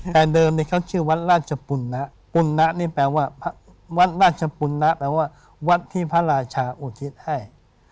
แต่เดิมนี้เขาชื่อวัดราชปุณนะปุณนะนี่แปลว่าวัดราชปุณนะแปลว่าวัดที่พระราชาอุทิศให้